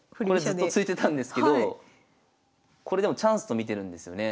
ずっと突いてたんですけどこれでもチャンスと見てるんですよね